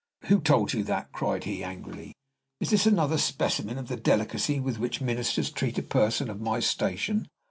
"Who told you that?" cried he, angrily. "Is this another specimen of the delicacy with which ministers treat a person of my station?"